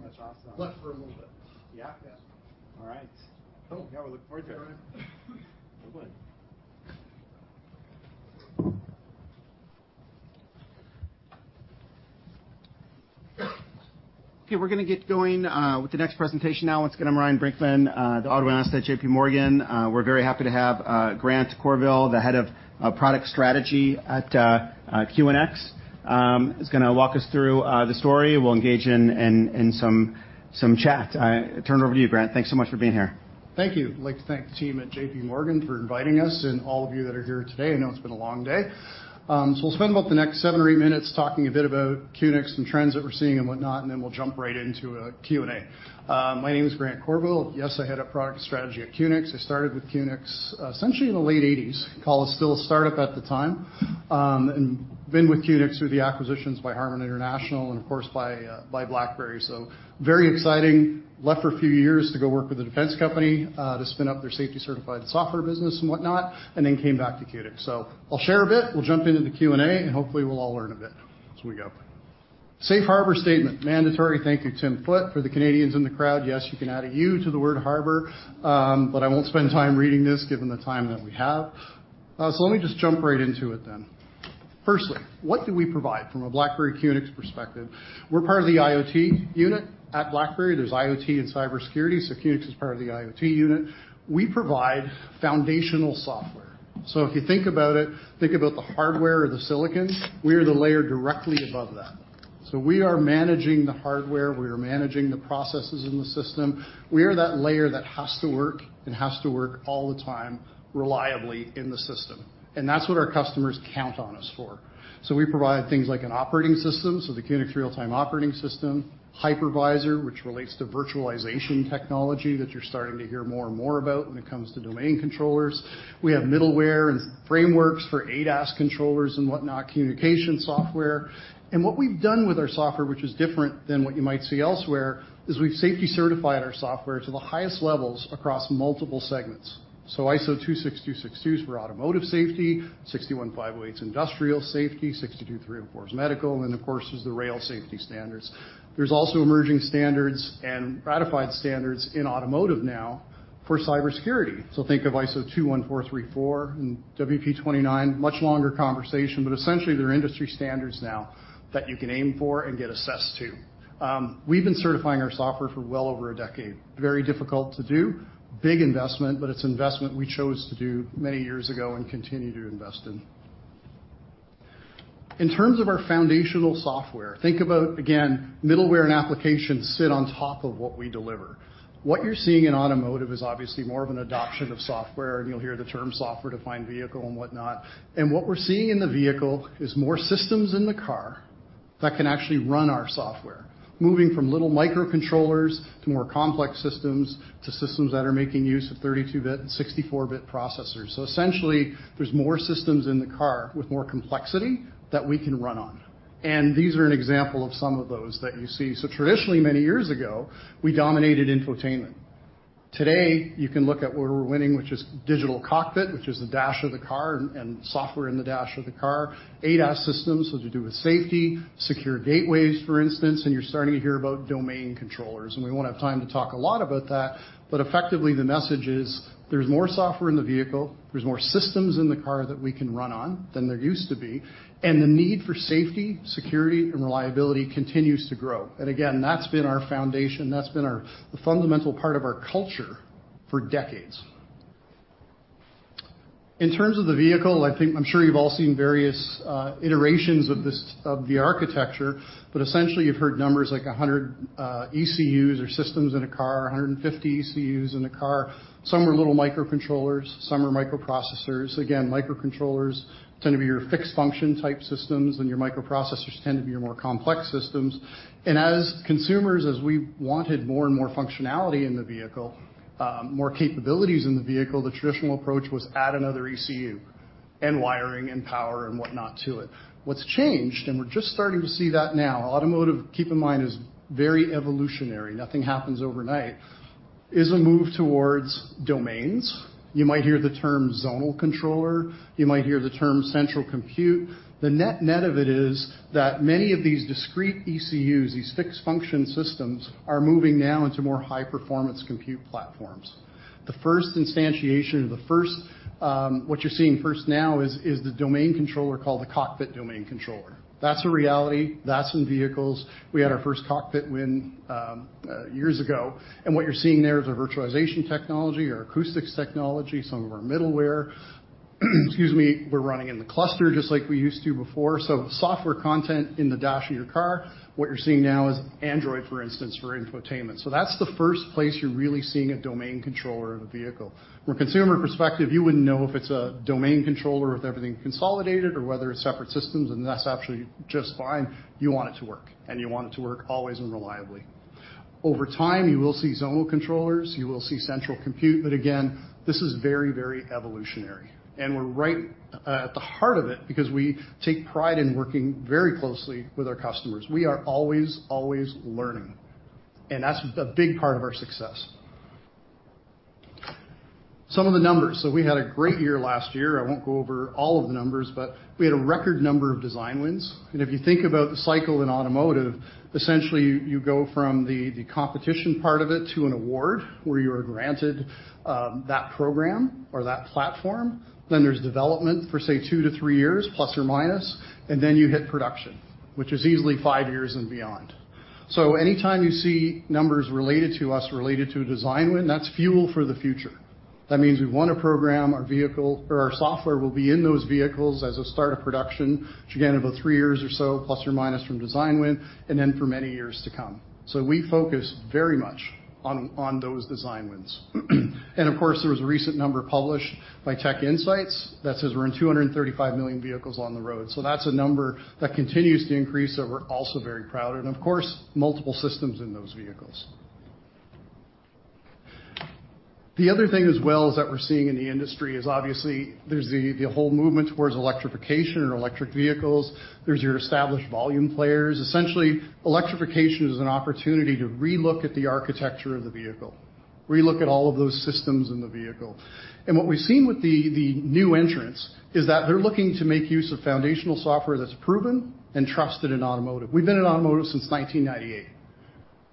Okay, we're gonna get going with the next presentation now. Once again, I'm Ryan Brinkman, the Auto Analyst at JPMorgan. We're very happy to have Grant Courville, the Head of Product Strategy at QNX. He's gonna walk us through the story. We'll engage in, in, in some, some chat. I turn it over to you, Grant. Thanks so much for being here. Thank you. I'd like to thank the team at JPMorgan for inviting us and all of you that are here today. I know it's been a long day. So we'll spend about the next seven or eight minutes talking a bit about QNX and trends that we're seeing and whatnot, and then we'll jump right into a Q&A. My name is Grant Courville. Yes, I'm Head of Product Strategy at QNX. I started with QNX, essentially, in the late eighties, call it still a startup at the time. And been with QNX through the acquisitions by Harman International and, of course, by BlackBerry, so very exciting. Left for a few years to go work with a defense company, to spin up their safety-certified software business and whatnot, and then came back to QNX. I'll share a bit, we'll jump into the Q&A, and hopefully, we'll all learn a bit as we go. Safe Harbor statement, mandatory. Thank you, Tim Foote. For the Canadians in the crowd, yes, you can add a U to the word harbor, but I won't spend time reading this given the time that we have. Let me just jump right into it. Firstly, what do we provide from a BlackBerry QNX perspective? We're part of the IoT unit. At BlackBerry, there's IoT and cybersecurity, QNX is part of the IoT unit. We provide foundational software, if you think about it, think about the hardware or the silicon. We are the layer directly above that. We are managing the hardware, we are managing the processes in the system. We are that layer that has to work and has to work all the time, reliably in the system, and that's what our customers count on us for. We provide things like an operating system, the QNX real-time operating system, hypervisor, which relates to virtualization technology that you're starting to hear more and more about when it comes to domain controllers. We have middleware and frameworks for ADAS controllers and whatnot, communication software. What we've done with our software, which is different than what you might see elsewhere, is we've safety certified our software to the highest levels across multiple segments. ISO 26262 is for automotive safety, IEC 61508 is industrial safety, IEC 62304 is medical, and then, of course, there's the rail safety standards. There's also emerging standards and ratified standards in automotive now for cybersecurity. Think of ISO 21434 and WP.29. Much longer conversation, but essentially, they're industry standards now that you can aim for and get assessed to. We've been certifying our software for well over a decade. Very difficult to do. Big investment, but it's an investment we chose to do many years ago and continue to invest in. In terms of our foundational software, think about, again, middleware and applications sit on top of what we deliver. What you're seeing in automotive is obviously more of an adoption of software, and you'll hear the term software-defined vehicle and whatnot. What we're seeing in the vehicle is more systems in the car that can actually run our software, moving from little microcontrollers to more complex systems, to systems that are making use of 32-bit and 64-bit processors. Essentially, there's more systems in the car with more complexity that we can run on. These are an example of some of those that you see. Traditionally, many years ago, we dominated infotainment. Today, you can look at where we're winning, which is digital cockpit, which is the dash of the car and software in the dash of the car, ADAS systems, so to do with safety, secure gateways, for instance, and you're starting to hear about domain controllers, and we won't have time to talk a lot about that. Effectively, the message is: there's more software in the vehicle, there's more systems in the car that we can run on than there used to be, and the need for safety, security, and reliability continues to grow. Again, that's been our foundation, that's been our the fundamental part of our culture for decades. In terms of the vehicle, I think... I'm sure you've all seen various iterations of this, of the architecture, but essentially, you've heard numbers like 100 ECUs or systems in a car, 150 ECUs in a car. Some are little microcontrollers, some are microprocessors. Again, microcontrollers tend to be your fixed function type systems, and your microprocessors tend to be your more complex systems. As consumers, as we wanted more and more functionality in the vehicle, more capabilities in the vehicle, the traditional approach was add another ECU and wiring and power and whatnot to it. What's changed, and we're just starting to see that now, automotive, keep in mind, is very evolutionary, nothing happens overnight, is a move towards domains. You might hear the term zonal controller. You might hear the term central compute. The net-net of it is that many of these discrete ECUs, these fixed function systems, are moving now into more high-performance compute platforms. The first instantiation or the first, what you're seeing first now is, is the domain controller called the cockpit domain controller. That's a reality. That's in vehicles. We had our first cockpit win, years ago, and what you're seeing there is our virtualization technology, our acoustics technology, some of our middleware, excuse me, we're running in the cluster just like we used to before. Software content in the dash of your car, what you're seeing now is Android, for instance, for infotainment. That's the first place you're really seeing a domain controller in a vehicle. From a consumer perspective, you wouldn't know if it's a domain controller, with everything consolidated or whether it's separate systems, and that's actually just fine. You want it to work, you want it to work always and reliably. Over time, you will see zonal controllers, you will see central compute, again, this is very, very evolutionary, and we're right at the heart of it because we take pride in working very closely with our customers. We are always, always learning, and that's a big part of our success.... Some of the numbers. We had a great year last year. I won't go over all of the numbers, but we had a record number of design wins. If you think about the cycle in automotive, essentially, you go from the competition part of it to an award, where you are granted that program or that platform. There's development for, say, two to three years, plus or minus, and then you hit production, which is easily five years and beyond. Anytime you see numbers related to us, related to a design win, that's fuel for the future. That means we've won a program, our vehicle, or our software will be in those vehicles as a start of production, which, again, about three years or so, plus or minus from design win, and then for many years to come. We focus very much on, on those design wins. Of course, there was a recent number published by TechInsights that says we're in 235 million vehicles on the road. That's a number that continues to increase, that we're also very proud of, and of course, multiple systems in those vehicles. The other thing as well, is that we're seeing in the industry, is obviously there's the, the whole movement towards electrification and electric vehicles. There's your established volume players. Essentially, electrification is an opportunity to relook at the architecture of the vehicle, relook at all of those systems in the vehicle. What we've seen with the, the new entrants is that they're looking to make use of foundational software that's proven and trusted in automotive. We've been in automotive since 1998.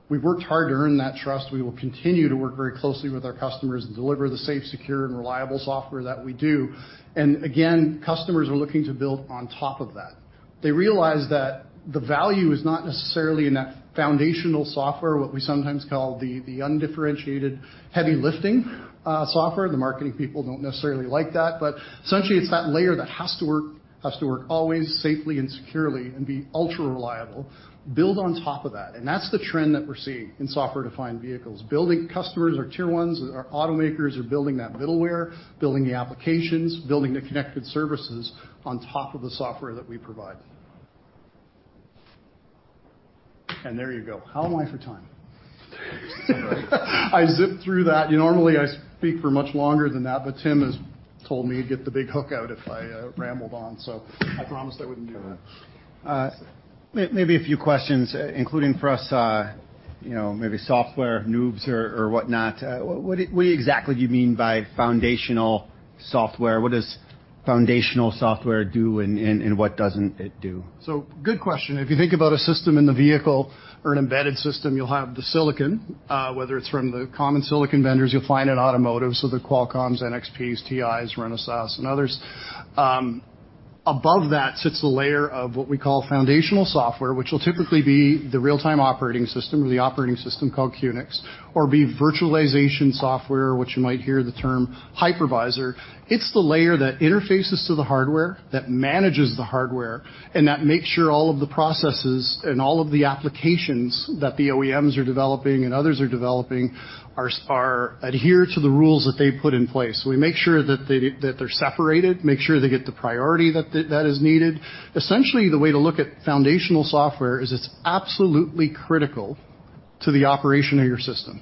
We've worked hard to earn that trust. We will continue to work very closely with our customers and deliver the safe, secure, and reliable software that we do. Again, customers are looking to build on top of that. They realize that the value is not necessarily in that foundational software, what we sometimes call the, the undifferentiated heavy lifting, software. The marketing people don't necessarily like that. Essentially, it's that layer that has to work, has to work always safely and securely and be ultra reliable. Build on top of that. That's the trend that we're seeing in software-defined vehicles. Building customers or Tier 1s, our automakers are building that middleware, building the applications, building the connected services on top of the software that we provide. There you go. How am I for time? I zipped through that. Normally, I speak for much longer than that. Tim has told me he'd get the big hook out if I rambled on, so I promised I wouldn't do that. Maybe a few questions, including for us, you know, maybe software noobs or whatnot. What exactly do you mean by foundational software? What does foundational software do and what doesn't it do? Good question. If you think about a system in the vehicle or an embedded system, you'll have the silicon, whether it's from the common silicon vendors, you'll find in automotive, so the Qualcomms, NXPs, TIs, Renesas, and others. Above that sits a layer of what we call foundational software, which will typically be the real-time operating system or the operating system called QNX, or be virtualization software, which you might hear the term hypervisor. It's the layer that interfaces to the hardware, that manages the hardware, and that makes sure all of the processes and all of the applications that the OEMs are developing and others are developing, are adhered to the rules that they've put in place. We make sure that they're separated, make sure they get the priority that is needed. Essentially, the way to look at foundational software is it's absolutely critical to the operation of your system.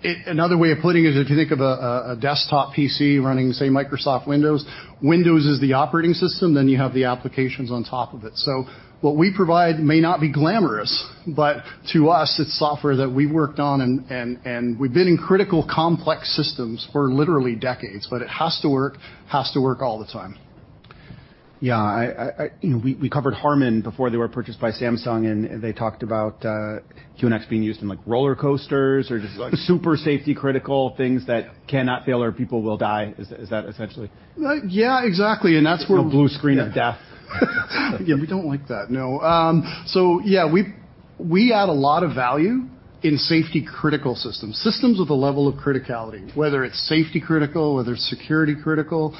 Another way of putting it is if you think of a, a desktop PC running, say, Microsoft Windows, Windows is the operating system, then you have the applications on top of it. What we provide may not be glamorous, but to us, it's software that we worked on and, and, and we've been in critical, complex systems for literally decades, but it has to work, has to work all the time. Yeah, we covered Harman before they were purchased by Samsung, and they talked about QNX being used in, like, roller coasters or just super safety-critical things that cannot fail or people will die. Is that essentially? yeah, exactly, and that's where- No blue screen of death. Yeah, we don't like that, no. Yeah, we, we add a lot of value in safety-critical systems. Systems with a level of criticality, whether it's safety-critical, whether it's security-critical,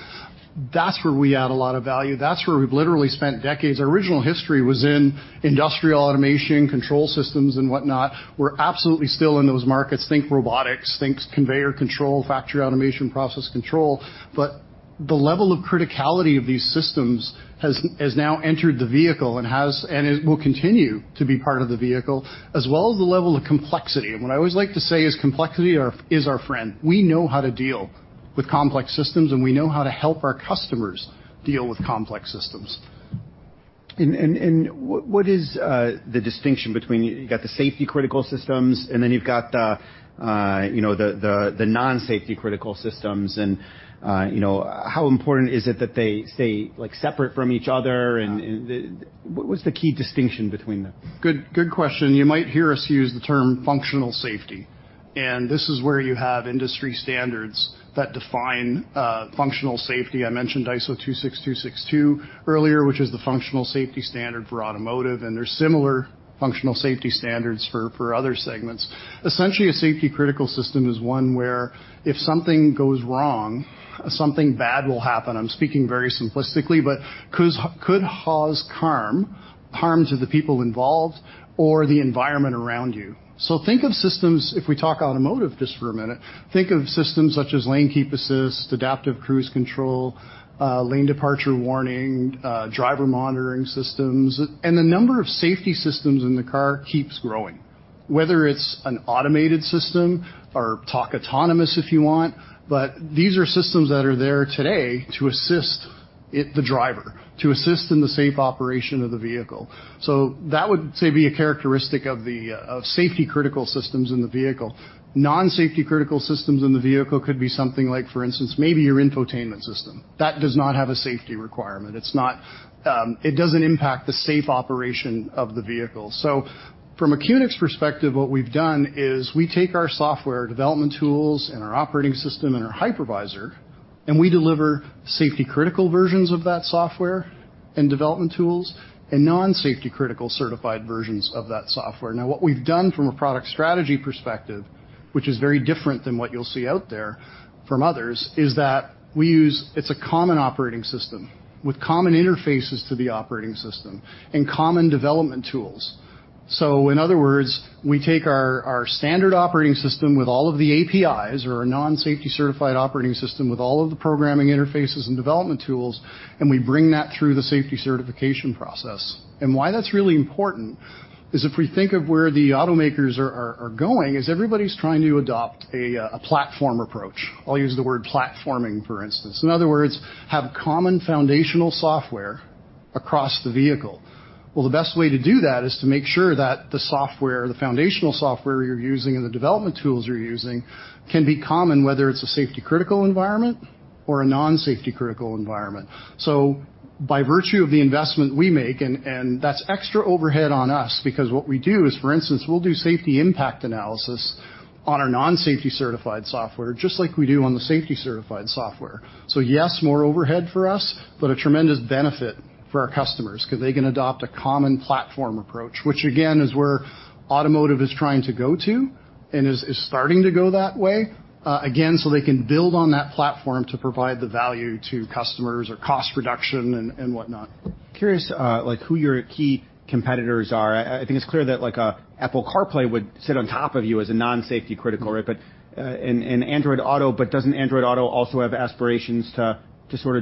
that's where we add a lot of value. That's where we've literally spent decades. Our original history was in industrial automation, control systems, and whatnot. We're absolutely still in those markets. Think robotics, think conveyor control, factory automation, process control, but the level of criticality of these systems has, has now entered the vehicle and it will continue to be part of the vehicle, as well as the level of complexity. What I always like to say is complexity are, is our friend. We know how to deal with complex systems, and we know how to help our customers deal with complex systems. and, and, and what, what is the distinction between, you got the safety-critical systems, and then you've got the, you know, the non-safety-critical systems, and, you know, how important is it that they stay, like, separate from each other? What was the key distinction between them? Good, good question. You might hear us use the term functional safety, and this is where you have industry standards that define functional safety. I mentioned ISO 26262 earlier, which is the functional safety standard for automotive, and there's similar functional safety standards for, for other segments. Essentially, a safety-critical system is one where if something goes wrong, something bad will happen. I'm speaking very simplistically, but could cause harm, harm to the people involved or the environment around you. So think of systems, if we talk automotive just for a minute, think of systems such as lane keep assist, adaptive cruise control, lane departure warning, driver monitoring systems, and the number of safety systems in the car keeps growing.... whether it's an automated system or talk autonomous, if you want, but these are systems that are there today to assist the driver, to assist in the safe operation of the vehicle. That would, say, be a characteristic of the of safety-critical systems in the vehicle. Non-safety-critical systems in the vehicle could be something like, for instance, maybe your infotainment system. That does not have a safety requirement. It's not, it doesn't impact the safe operation of the vehicle. From a QNX perspective, what we've done is we take our software development tools and our operating system and our hypervisor, and we deliver safety-critical versions of that software and development tools and non-safety-critical certified versions of that software. Now, what we've done from a product strategy perspective, which is very different than what you'll see out there from others, is that we use, it's a common operating system, with common interfaces to the operating system and common development tools. In other words, we take our, our standard operating system with all of the APIs, or our non-safety certified operating system, with all of the programming interfaces and development tools, and we bring that through the safety certification process. Why that's really important is if we think of where the automakers are, are, are going, is everybody's trying to adopt a platform approach. I'll use the word platforming, for instance. In other words, have common foundational software across the vehicle. Well, the best way to do that is to make sure that the software, the foundational software you're using and the development tools you're using, can be common, whether it's a safety-critical environment or a non-safety-critical environment. By virtue of the investment we make, and that's extra overhead on us, because what we do is, for instance, we'll do safety impact analysis on our non-safety certified software, just like we do on the safety-certified software. Yes, more overhead for us, but a tremendous benefit for our customers, 'cause they can adopt a common platform approach, which, again, is where automotive is trying to go to and is starting to go that way, again, so they can build on that platform to provide the value to customers or cost reduction and, and whatnot. Curious, who your key competitors are. I think it's clear that Apple CarPlay would sit on top of you as a non-safety critical, right? Android Auto, but doesn't Android Auto also have aspirations to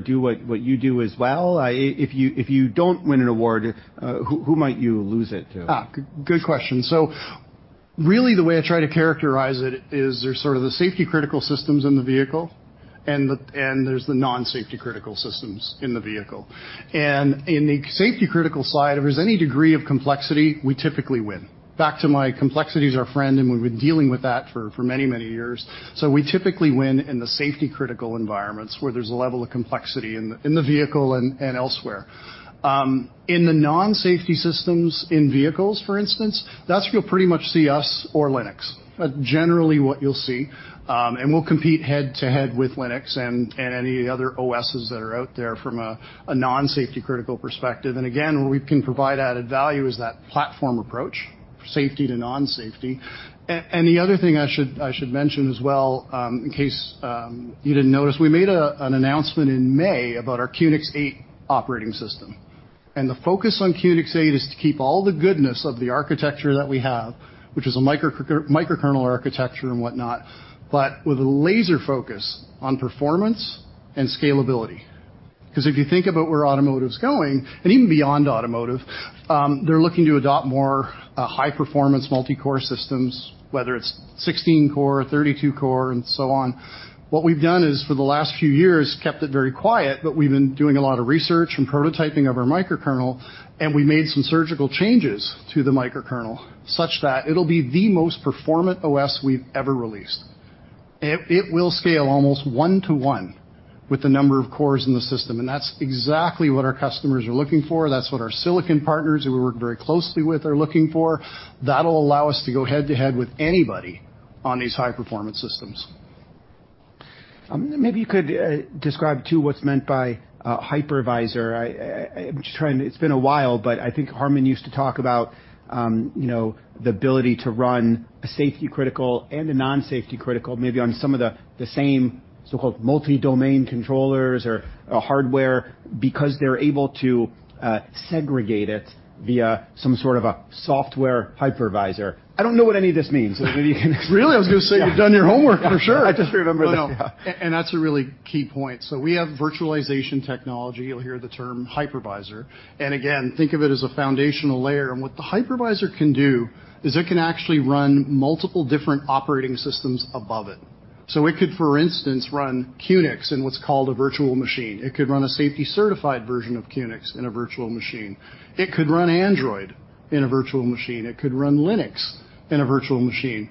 do what you do as well? If you don't win an award, who might you lose it to? Good question. Really, the way I try to characterize it is there's sort of the safety-critical systems in the vehicle and there's the non-safety-critical systems in the vehicle. In the safety-critical side, if there's any degree of complexity, we typically win. Back to my complexity is our friend, and we've been dealing with that for many, many years. We typically win in the safety-critical environments, where there's a level of complexity in the vehicle and elsewhere. In the non-safety systems, in vehicles, for instance, that's where you'll pretty much see us or Linux. That's generally what you'll see, and we'll compete head-to-head with Linux and any other OSes that are out there from a non-safety-critical perspective. Again, where we can provide added value is that platform approach, safety to non-safety. The other thing I should, I should mention as well, in case you didn't notice, we made an announcement in May about our QNX Eight operating system, and the focus on QNX Eight is to keep all the goodness of the architecture that we have, which is a microkernel architecture and whatnot, but with a laser focus on performance and scalability. Because if you think about where automotive's going, and even beyond automotive, they're looking to adopt more high-performance multi-core systems, whether it's 16 core, 32 core, and so on. What we've done is, for the last few years, kept it very quiet, but we've been doing a lot of research and prototyping of our microkernel, and we made some surgical changes to the microkernel such that it'll be the most performant OS we've ever released. It, it will scale almost one-to-one with the number of cores in the system, and that's exactly what our customers are looking for. That's what our silicon partners, who we work very closely with, are looking for. That'll allow us to go head-to-head with anybody on these high-performance systems. Maybe you could describe, too, what's meant by a hypervisor? It's been a while, but I think Harman used to talk about, you know, the ability to run a safety-critical and a non-safety-critical, maybe on some of the same so-called multi-domain controllers or hardware, because they're able to segregate it via some sort of a software hypervisor. I don't know what any of this means, so maybe you can? Really? I was gonna say- Yeah you've done your homework, for sure. I just remembered that. That's a really key point. We have virtualization technology. You'll hear the term hypervisor, and again, think of it as a foundational layer, and what the hypervisor can do is it can actually run multiple different operating systems above it. It could, for instance, run QNX in what's called a virtual machine. It could run a safety-certified version of QNX in a virtual machine. It could run Android in a virtual machine. It could run Linux in a virtual machine.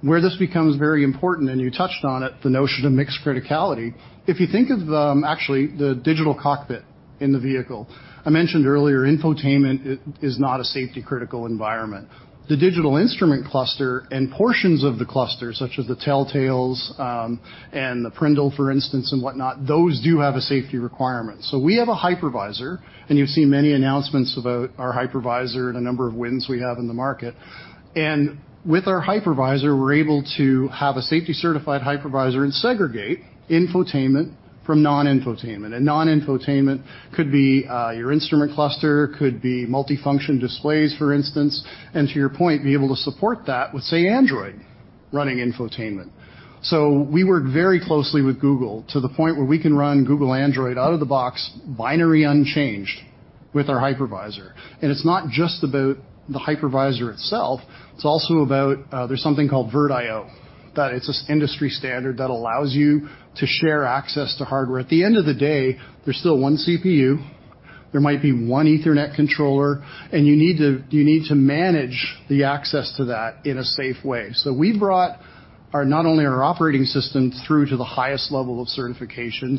Where this becomes very important, and you touched on it, the notion of mixed criticality. If you think of the, actually the digital cockpit in the vehicle, I mentioned earlier, infotainment is not a safety-critical environment. The digital instrument cluster and portions of the cluster, such as the telltales, and the PRNDL, for instance, and whatnot, those do have a safety requirement. We have a hypervisor, and you've seen many announcements about our hypervisor and a number of wins we have in the market. With our hypervisor, we're able to have a safety-certified hypervisor and segregate infotainment from non-infotainment. Non-infotainment could be your instrument cluster, could be multifunction displays, for instance, and to your point, be able to support that with, say, Android, running infotainment. We work very closely with Google to the point where we can run Google Android out of the box, binary unchanged. With our hypervisor. It's not just about the hypervisor itself, it's also about there's something called VirtIO, that it's an industry standard that allows you to share access to hardware. At the end of the day, there's still one CPU, there might be one Ethernet controller, and you need to, you need to manage the access to that in a safe way. We've brought our-- not only our operating system through to the highest level of certification,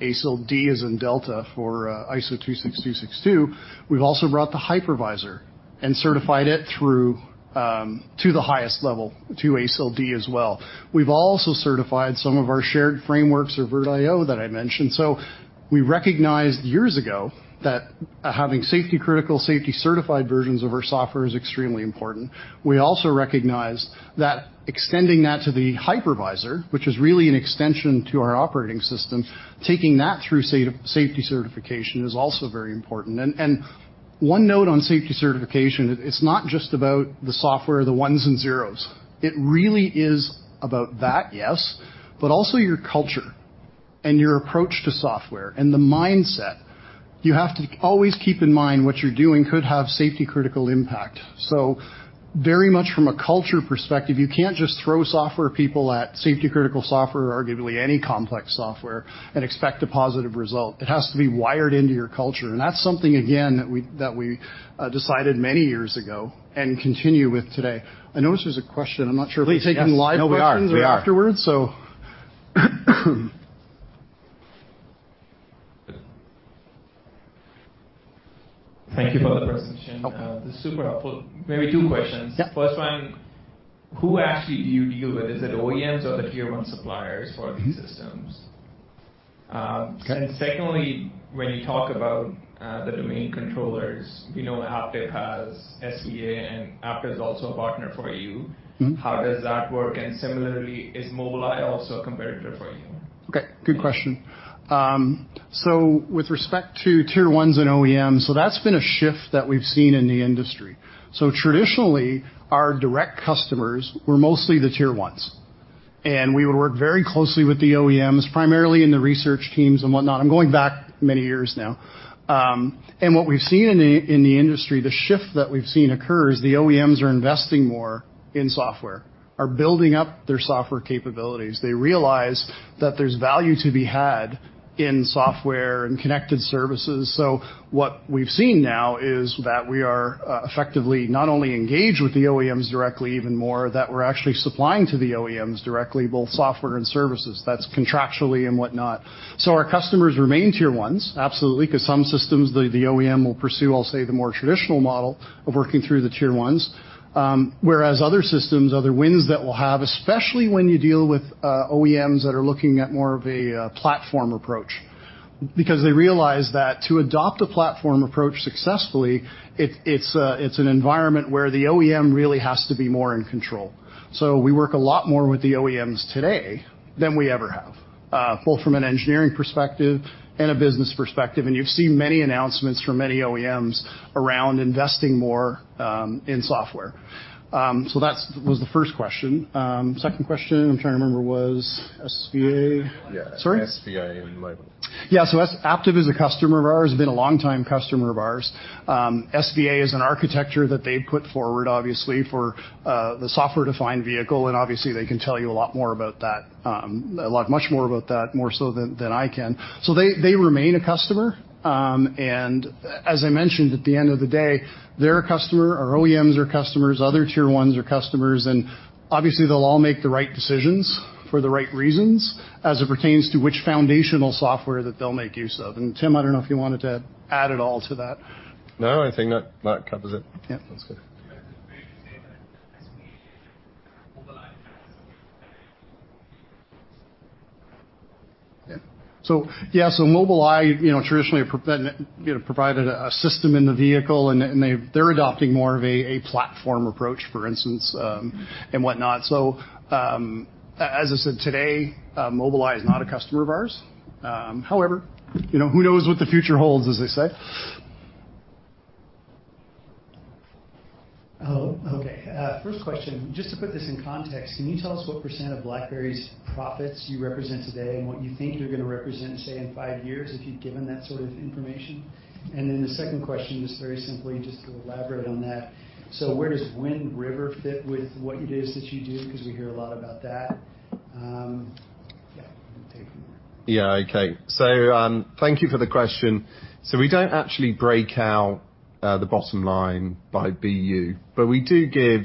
ASIL D, as in Delta, for ISO 26262, we've also brought the hypervisor and certified it through to the highest level, to ASIL D as well. We've also certified some of our shared frameworks or VirtIO that I mentioned. We recognized years ago that having safety-critical, safety-certified versions of our software is extremely important. We also recognized that extending that to the hypervisor, which is really an extension to our operating system, taking that through safety certification is also very important. One note on safety certification, it's not just about the software, the ones and zeros. It really is about that, yes, but also your culture and your approach to software and the mindset. You have to always keep in mind what you're doing could have safety-critical impact. Very much from a culture perspective, you can't just throw software people at safety-critical software, arguably any complex software, and expect a positive result. It has to be wired into your culture, and that's something, again, that we, that we decided many years ago and continue with today. I notice there's a question. I'm not sure if we're taking live questions afterwards. No, we are. We are. Thank you for the presentation. Okay. This is super helpful. Maybe two questions. Yeah. First one, who actually do you deal with? Is it OEMs or the Tier 1 suppliers for these systems? Mm-hmm. Okay. Secondly, when you talk about, the domain controllers, we know Aptiv has SVA, and Aptiv is also a partner for you. Mm-hmm. How does that work? Similarly, is Mobileye also a competitor for you? Okay, good question. With respect to Tier 1s and OEMs, so that's been a shift that we've seen in the industry. Traditionally, our direct customers were mostly the Tier 1s, and we would work very closely with the OEMs, primarily in the research teams and whatnot. I'm going back many years now. What we've seen in the, in the industry, the shift that we've seen occur, is the OEMs are investing more in software, are building up their software capabilities. They realize that there's value to be had in software and connected services. What we've seen now is that we are, effectively not only engaged with the OEMs directly, even more, that we're actually supplying to the OEMs directly, both software and services. That's contractually and whatnot. Our customers remain Tier 1s, absolutely, 'cause some systems, the, the OEM will pursue, I'll say, the more traditional model of working through the Tier 1s. Whereas other systems, other wins that we'll have, especially when you deal with OEMs that are looking at more of a platform approach. They realize that to adopt a platform approach successfully, it's a, it's an environment where the OEM really has to be more in control. We work a lot more with the OEMs today than we ever have, both from an engineering perspective and a business perspective, and you've seen many announcements from many OEMs around investing more in software. That's, was the first question. Second question, I'm trying to remember, was SVA? Yeah. Sorry? SVA and Mobileye. Yeah, Aptiv is a customer of ours, has been a long-time customer of ours. SVA is an architecture that they put forward, obviously, for the software-defined vehicle, and obviously, they can tell you a lot more about that, a lot much more about that, more so than, than I can. They, they remain a customer, and as I mentioned, at the end of the day, they're a customer, our OEMs are customers, other Tier 1s are customers, and obviously, they'll all make the right decisions for the right reasons as it pertains to which foundational software that they'll make use of. Tim, I don't know if you wanted to add at all to that. No, I think that, that covers it. Yeah. That's good. Yeah. Yeah, Mobileye, you know, traditionally you know, provided a system in the vehicle, and they, they're adopting more of a, a platform approach, for instance, and whatnot. As I said, today, Mobileye is not a customer of ours. However, you know, who knows what the future holds, as they say? Oh, okay. First question, just to put this in context, can you tell us what % of BlackBerry's profits you represent today, and what you think you're gonna represent, say, in five years, if you've given that sort of information? Then the second question, just very simply, just to elaborate on that: so where does Wind River fit with what it is that you do? Because we hear a lot about that. Yeah, you take it. Yeah, okay. Thank you for the question. We don't actually break out the bottom line by BU, but we do give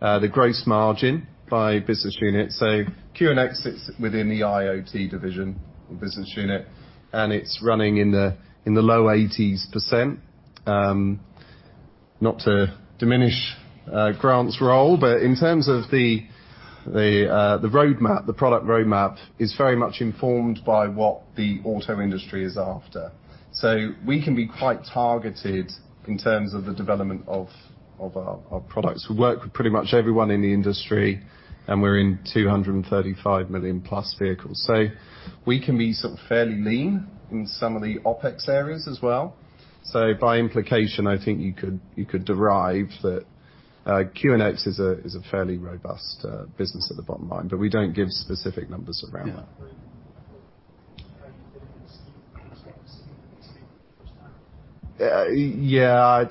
the gross margin by business unit. QNX sits within the IoT division or business unit, and it's running in the low 80%. Not to diminish Grant's role, but in terms of the roadmap, the product roadmap, is very much informed by what the auto industry is after. We can be quite targeted in terms of the development of our products. We work with pretty much everyone in the industry, and we're in 235 million-plus vehicles. We can be sort of fairly lean in some of the OpEx areas as well. By implication, I think you could, you could derive that, QNX is a, is a fairly robust, business at the bottom line, but we don't give specific numbers around that. Yeah, I,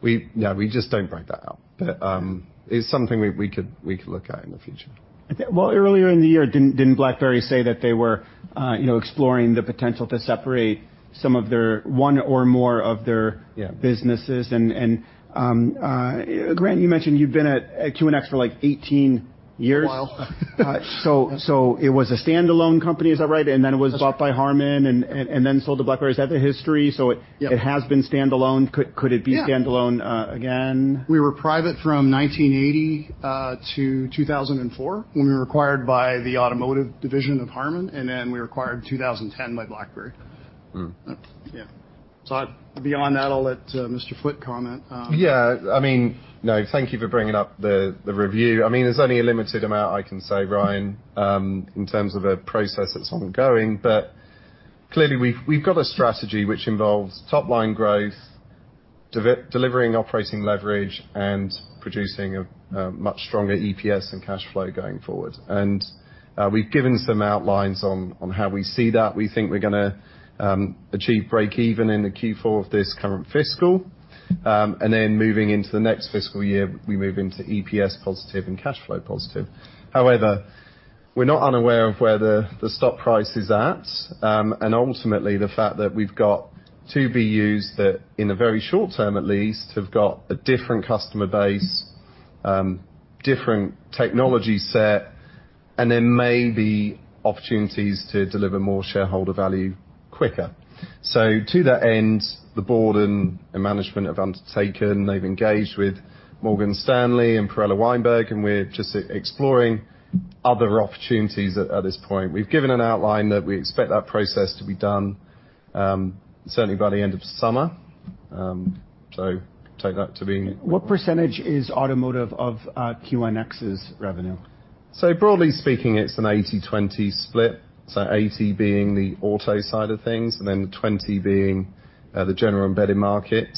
we, yeah, we just don't break that out. It's something we, we could, we could look at in the future. Okay. Well, earlier in the year, didn't, didn't BlackBerry say that they were, you know, exploring the potential to separate some of their-- one or more of their? Yeah -businesses? Grant, you mentioned you've been at QNX for, like, 18 years. A while. So it was a standalone company, is that right? Then it was bought by Harman and then sold to BlackBerry. Is that the history? Yeah. It has been standalone. Could, could it be standalone, again? Yeah. We were private from 1980 to 2004, when we were acquired by the automotive division of Harman, and then we were acquired in 2010 by BlackBerry. Hmm. Yeah. Beyond that, I'll let Mr. Foote comment. Yeah, I mean, no, thank you for bringing up the, the review. I mean, there's only a limited amount I can say, Ryan, in terms of a process that's ongoing, but clearly, we've, we've got a strategy which involves top-line growth, delivering operating leverage, and producing a, a much stronger EPS and cash flow going forward. We've given some outlines on, on how we see that. We think we're gonna achieve breakeven in the Q4 of this current fiscal. Then moving into the next fiscal year, we move into EPS positive and cash flow positive. However, we're not unaware of where the, the stock price is at, and ultimately, the fact that we've got 2 BUs that, in the very short term at least, have got a different customer base, different technology set, and there may be opportunities to deliver more shareholder value quicker. To that end, the board and the management have undertaken, they've engaged with Morgan Stanley and Perella Weinberg, and we're just exploring other opportunities at this point. We've given an outline that we expect that process to be done, certainly by the end of summer. Take that to be... What % is automotive of QNX's revenue? Broadly speaking, it's an 80/20 split, 80 being the auto side of things, and then 20 being the general embedded market.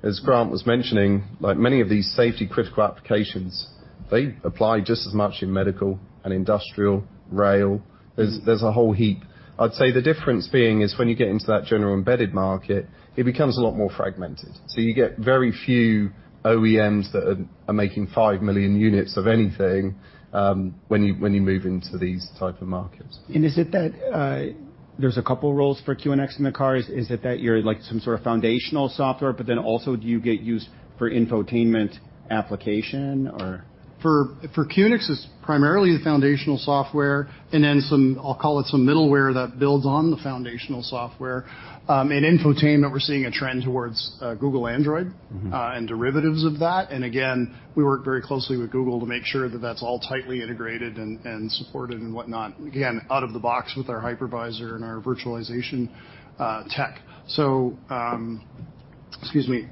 As Grant was mentioning, like, many of these safety-critical applications, they apply just as much in medical and industrial, rail. There's a whole heap. I'd say the difference being is when you get into that general embedded market, it becomes a lot more fragmented. You get very few OEMs that are making 5 million units of anything, when you move into these type of markets. Is it that, there's a couple roles for QNX in the cars? Is it that you're, like, some sort of foundational software, but then also, do you get used for infotainment application, or? For, for QNX, it's primarily the foundational software, and then some, I'll call it some middleware, that builds on the foundational software. In infotainment, we're seeing a trend towards, Google Android- Mm-hmm... and derivatives of that. Again, we work very closely with Google to make sure that that's all tightly integrated and, and supported and whatnot. Again, out of the box with our hypervisor and our virtualization, tech. Excuse me,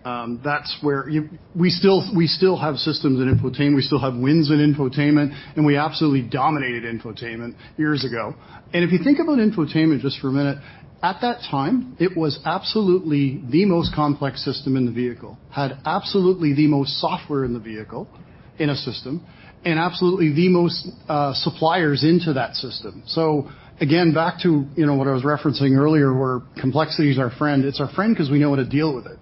that's where we still, we still have systems in infotainment. We still have wins in infotainment, and we absolutely dominated infotainment years ago. If you think about infotainment just for a minute, at that time, it was absolutely the most complex system in the vehicle, had absolutely the most software in the vehicle, in a system, and absolutely the most, suppliers into that system. Again, back to, you know, what I was referencing earlier, where complexity is our friend. It's our friend 'cause we know how to deal with it.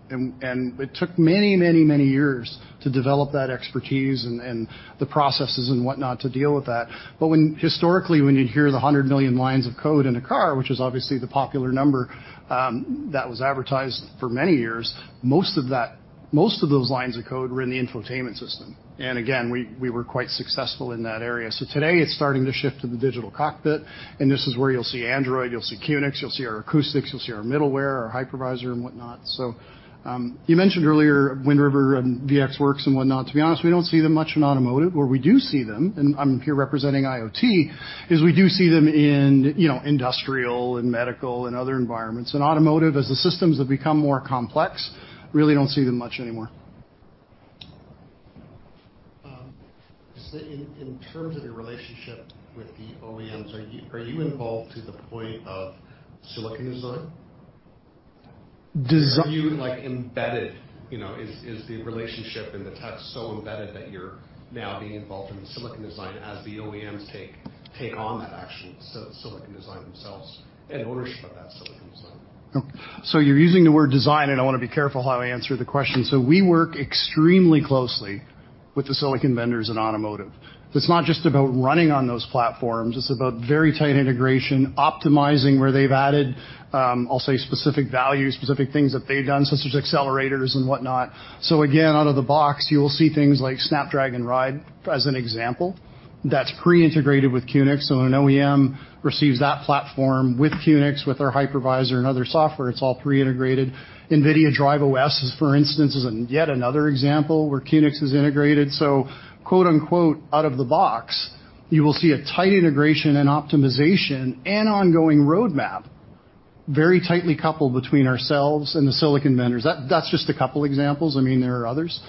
It took many, many, many years to develop that expertise and the processes and whatnot to deal with that. Historically, when you'd hear the 100 million lines of code in a car, which is obviously the popular number, that was advertised for many years, most of that, most of those lines of code were in the infotainment system. Again, we, we were quite successful in that area. Today, it's starting to shift to the digital cockpit, and this is where you'll see Android, you'll see QNX, you'll see our acoustics, you'll see our middleware, our hypervisor and whatnot. You mentioned earlier Wind River and VxWorks and whatnot. To be honest, we don't see them much in automotive, where we do see them, and I'm here representing IoT, is we do see them in, you know, industrial and medical and other environments. In automotive, as the systems have become more complex, really don't see them much anymore. Just in, in terms of your relationship with the OEMs, are you, are you involved to the point of silicon design? Design- Are you, like, embedded? You know, is the relationship and the tech so embedded that you're now being involved in the silicon design as the OEMs take on that actual silicon design themselves and ownership of that silicon design? Okay, you're using the word design, and I wanna be careful how I answer the question. We work extremely closely with the silicon vendors in automotive. It's not just about running on those platforms. It's about very tight integration, optimizing where they've added, I'll say specific value, specific things that they've done, such as accelerators and whatnot. Again, out of the box, you will see things like Snapdragon Ride, as an example, that's pre-integrated with QNX. When an OEM receives that platform with QNX, with our hypervisor and other software, it's all pre-integrated. NVIDIA DRIVE OS, for instance, is yet another example where QNX is integrated. Quote, unquote, "out of the box," you will see a tight integration and optimization and ongoing roadmap, very tightly coupled between ourselves and the silicon vendors. That's just a couple examples. I mean, there are others.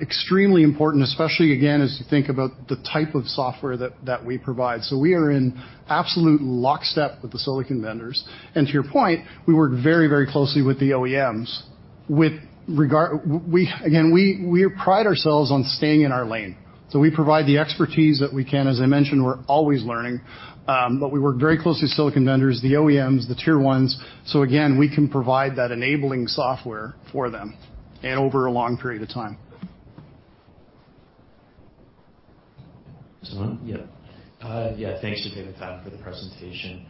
Extremely important, especially again, as you think about the type of software that, that we provide. We are in absolute lockstep with the silicon vendors, and to your point, we work very, very closely with the OEMs. With regard, we, again, we, we pride ourselves on staying in our lane. We provide the expertise that we can. As I mentioned, we're always learning, but we work very closely with silicon vendors, the OEMs, the Tier 1s. Again, we can provide that enabling software for them, and over a long period of time. Simon? Yeah. Yeah, thanks for taking the time for the presentation.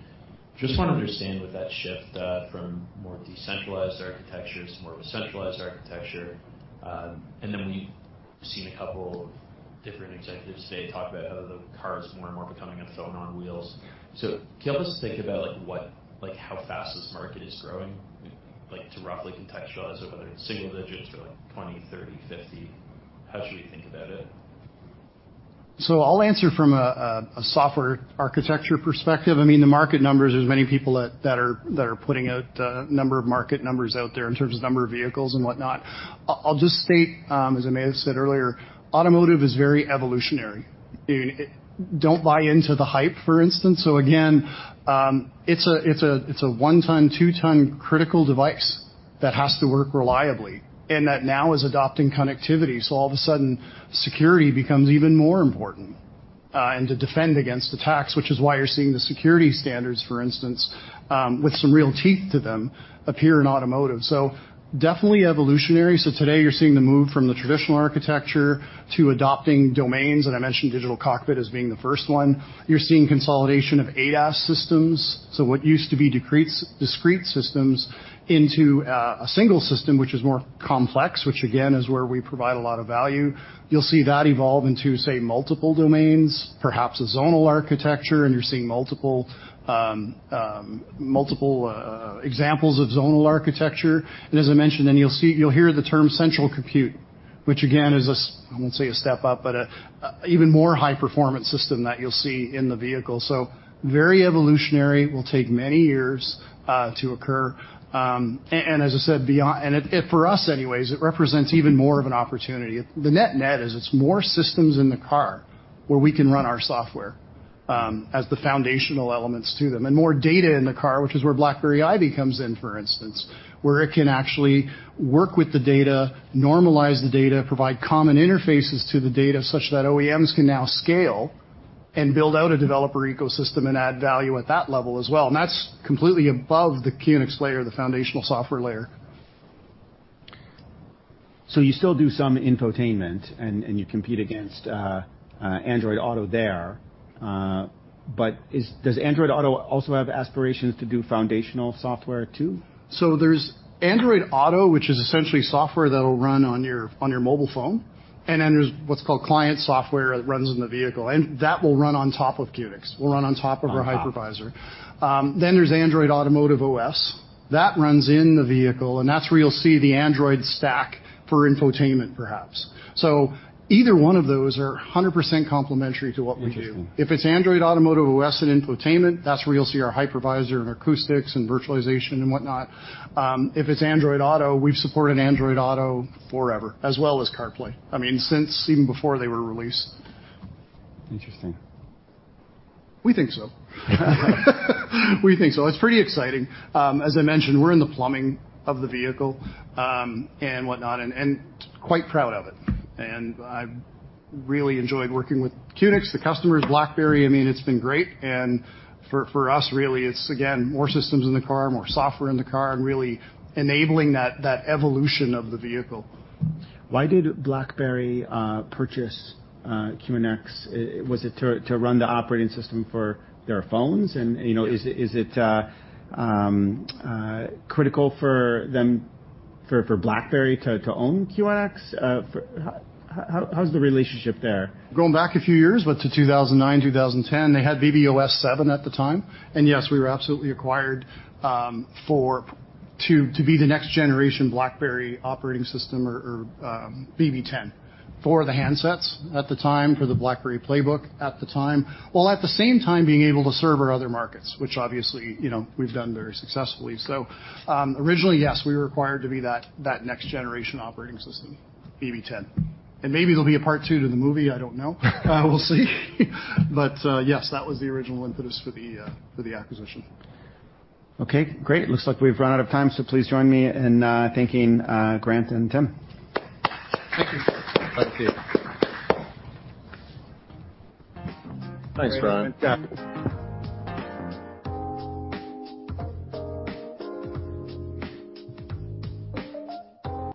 Just want to understand with that shift, from more decentralized architectures to more of a centralized architecture. We've seen a couple of different executives today talk about how the car is more and more becoming a phone on wheels. Can you help us think about, like, what, like, how fast this market is growing? Like, to roughly contextualize it, whether it's single digits or like 20, 30, 50, how should we think about it? I'll answer from a software architecture perspective. I mean, the market numbers, there's many people that are putting out number of market numbers out there in terms of number of vehicles and whatnot. I'll just state, as Amit said earlier, automotive is very evolutionary. Don't buy into the hype, for instance. Again, it's a one-ton, two-ton critical device that has to work reliably, and that now is adopting connectivity. All of a sudden, security becomes even more important, and to defend against attacks, which is why you're seeing the security standards, for instance, with some real teeth to them, appear in automotive. Definitely evolutionary. Today you're seeing the move from the traditional architecture to adopting domains, and I mentioned digital cockpit as being the first one. You're seeing consolidation of ADAS systems. What used to be discrete systems into a single system, which is more complex, which again, is where we provide a lot of value. You'll see that evolve into, say, multiple domains, perhaps a zonal architecture, and you're seeing multiple, multiple examples of zonal architecture. As I mentioned, then you'll hear the term central compute, which again, is I won't say a step up, but an even more high-performance system that you'll see in the vehicle. Very evolutionary, will take many years to occur. As I said, beyond... it, for us anyways, it represents even more of an opportunity. The net-net is it's more systems in the car where we can run our software, as the foundational elements to them, and more data in the car, which is where BlackBerry IVY comes in, for instance, where it can actually work with the data, normalize the data, provide common interfaces to the data such that OEMs can now scale and build out a developer ecosystem and add value at that level as well. That's completely above the QNX layer, the foundational software layer. You still do some infotainment, and you compete against Android Auto there, but does Android Auto also have aspirations to do foundational software, too? There's Android Auto, which is essentially software that will run on your, on your mobile phone, and then there's what's called client software that runs in the vehicle, and that will run on top of QNX, will run on top of our hypervisor. There's Android Automotive OS. That runs in the vehicle, and that's where you'll see the Android stack for infotainment, perhaps. Either one of those are 100% complementary to what we do. If it's Android Automotive OS and infotainment, that's where you'll see our hypervisor and acoustics and virtualization and whatnot. If it's Android Auto, we've supported Android Auto forever, as well as CarPlay. I mean, since even before they were released. Interesting. We think so. We think so. It's pretty exciting. As I mentioned, we're in the plumbing of the vehicle, and whatnot, and, and quite proud of it. I've really enjoyed working with QNX, the customers, BlackBerry, I mean, it's been great, and for, for us, really, it's, again, more systems in the car, more software in the car, and really enabling that, that evolution of the vehicle. Why did BlackBerry purchase QNX? Was it to, to run the operating system for their phones? You know, is it, is it critical for them, for, for BlackBerry to, to own QNX? How, how, how's the relationship there? Going back a few years, but to 2009, 2010, they had BBOS 7 at the time, and yes, we were absolutely acquired, for, to, to be the next generation BlackBerry operating system or, or, BlackBerry 10 for the handsets at the time, for the BlackBerry PlayBook at the time, while at the same time being able to serve our other markets, which obviously, you know, we've done very successfully. Originally, yes, we were acquired to be that, that next generation operating system, BlackBerry 10. Maybe there'll be a part 2 to the movie, I don't know. We'll see. Yes, that was the original impetus for the, for the acquisition. Okay, great. It looks like we've run out of time. Please join me in thanking Grant and Tim. Thank you. Thank you. Thanks, Ryan.